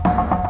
aku kasih tau